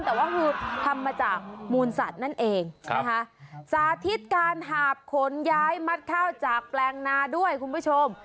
แต่ว่าคือทำมาจากมูลสัตว์นั่นเองนะคะสาธิตการหาบขนย้ายมัดข้าวจากแปลงนาด้วยคุณผู้ชม